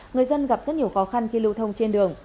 người dân gặp rất nhiều khó khăn khi lưu thông trên đường